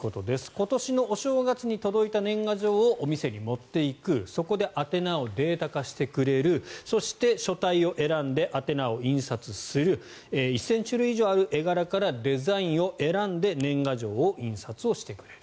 今年のお正月に届いた年賀状をお店に持っていくそこで宛名をデータ化してくれるそして書体を選んで宛名を印刷する１０００種類以上ある絵柄からデザインを選んで年賀状を印刷してくれる。